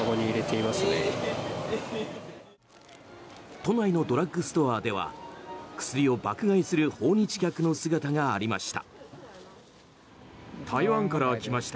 都内のドラッグストアでは薬を爆買いする訪日客の姿がありました。